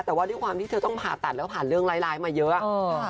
แต่ว่าด้วยความที่เธอต้องผ่าตัดแล้วผ่านเรื่องร้ายมาเยอะ